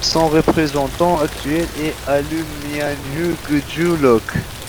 Son représentant actuel est Alemayehu Gujo Loqe.